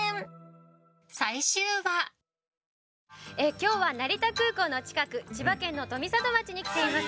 今日は成田空港の近く千葉県の富里町に来ています。